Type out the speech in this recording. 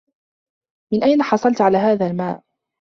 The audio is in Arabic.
من أين حصلت على هذا الماء؟